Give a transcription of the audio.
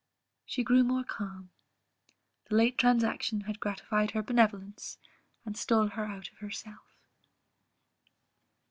she grew more calm; the late transaction had gratified her benevolence, and stole her out of herself.